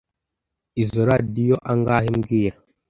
Izoi radizoo angahe mbwira